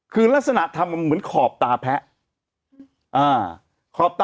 คือลักษณะทำเหมือนขอบตาแพะ